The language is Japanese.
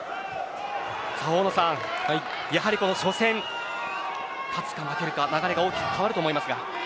大野さん、やはり初戦勝つか負けるかで流れが大きく変わると思います。